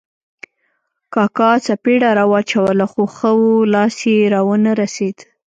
کاکا څپېړه را واچوله خو ښه وو، لاس یې را و نه رسېد.